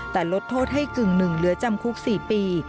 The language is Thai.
แต่ลดโทษให้กึ่งหนึ่งเหลือจำคุก๔ปี